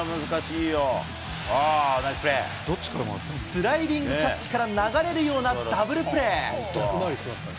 スライディングキャッチから流れるようなダブルプレー。